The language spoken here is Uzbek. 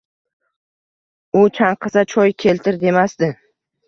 U chanqasa, choy keltir, demasdi.